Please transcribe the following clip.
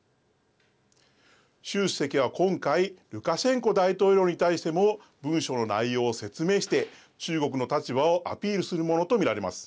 習主席は、今回ルカシェンコ大統領に対しても文書の内容を説明して中国の立場をアピールするものと見られます。